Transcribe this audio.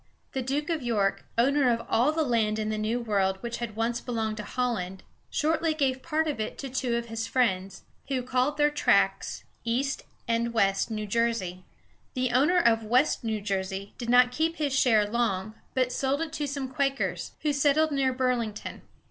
The Duke of York, owner of all the land in the New World which had once belonged to Holland, shortly gave part of it to two of his friends, who called their tracts East and West New Jersey. The owner of West New Jersey did not keep his share long, but sold it to some Quakers, who settled near Bur´ling ton.